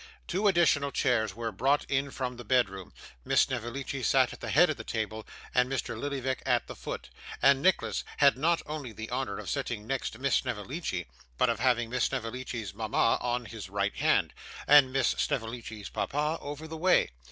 Two additional chairs were brought in from the bedroom: Miss Snevellicci sat at the head of the table, and Mr. Lillyvick at the foot; and Nicholas had not only the honour of sitting next Miss Snevellicci, but of having Miss Snevellicci's mama on his right hand, and Miss Snevellicci's papa over the way.